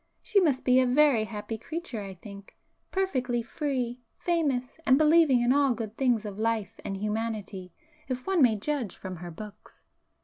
She must be a very happy creature I think,—perfectly free, famous, and believing in all good things of life and humanity, if one may judge from her books."